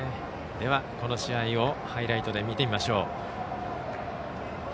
この試合をハイライトで見てみましょう。